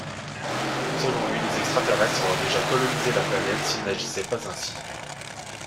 Selon lui, les extra-terrestres auraient déjà colonisé la planète s'il n'agissait pas ainsi.